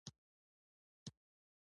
هلته مو په یوه خیمه کې واړول.